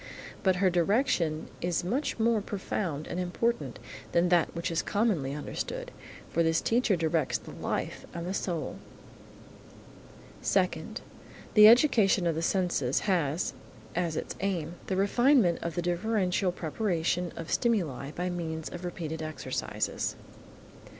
But her direction is much more profound and important than that which is commonly understood, for this teacher directs the life and the soul. Second. The education of the senses has, as its aim, the refinement of the differential perception of stimuli by means of repeated exercises.